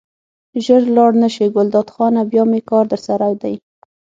ژر لاړ نه شې ګلداد خانه بیا مې کار درسره دی.